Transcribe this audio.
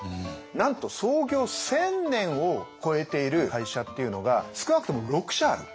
なんと創業１，０００年を超えている会社っていうのが少なくとも６社ある。